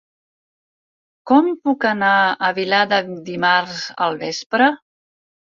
Com puc anar a Vilada dimarts al vespre?